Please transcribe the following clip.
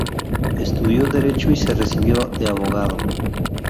Estudió Derecho y se recibió de abogado.